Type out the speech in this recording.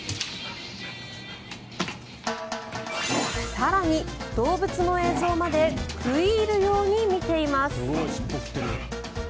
更に、動物の映像まで食い入るように見ています。